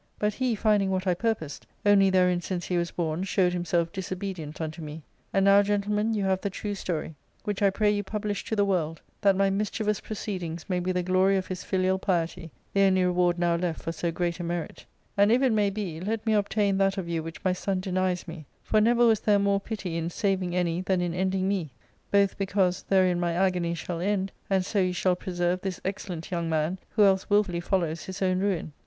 But he finding what I purposed, only therein since he was born showed himself disobedient unto me. And now, gentlemen, you have the true story, which I pray you publish to the world, that my mischievous proceed ings may be the glory of his filial piety, the only reward now left for so great a merit And if it may be, let me obtain that of you which my son denies me ; for never was there more pity in saving any than in ending me, both because therein my agony shall end, and so you shall preserve this excellent young man, who else wilfully follows his own ruin.'